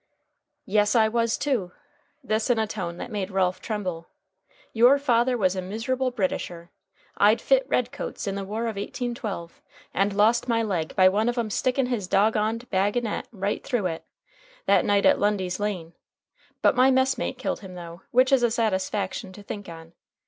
"Yes, I was, too!" This in a tone that made Ralph tremble. "Your father was a miserable Britisher. I'd fit red coats, in the war of eighteen twelve, and lost my leg by one of 'em stickin' his dog on'd bagonet right through it, that night at Lundy's Lane; but my messmate killed him though which is a satisfaction to think on.